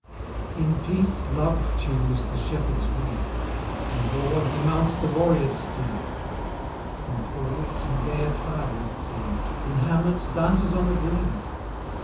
In peace. Love tunes the shepherd^s reed ; In war, he mounts the warrior's steed ; In halls, in gay attire is seen ; In hamlets, dances on the green.